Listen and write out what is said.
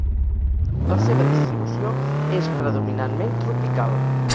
La seva distribució és predominantment tropical.